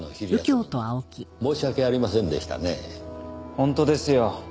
本当ですよ。